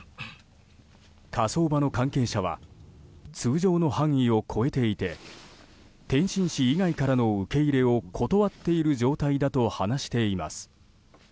火葬場の関係者は通常の範囲を超えていて天津市以外からの受け入れを断っている状態だと話しています。